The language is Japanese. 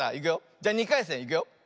じゃ２かいせんいくよ。